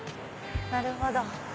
なるほど。